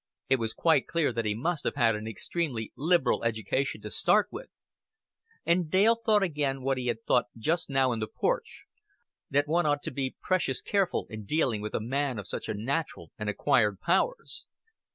It was quite clear that he must have had an extremely lib'ral education to start with. And Dale thought again what he had thought just now in the porch that one ought to be precious careful in dealing with a man of such natural and acquired powers.